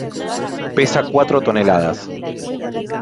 Pesa cuatro toneladas.